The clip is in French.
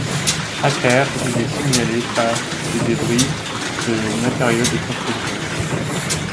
À terre, il est signalé par des débris de matériaux de construction.